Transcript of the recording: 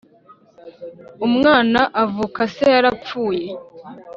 umwana avuka se yarapfuye